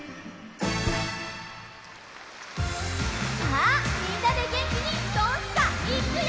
さあみんなでげんきにドンスカいくよ！